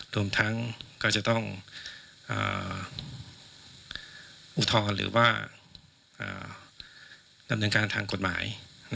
รวมทั้งก็จะต้องอุทธรณ์หรือว่าดำเนินการทางกฎหมาย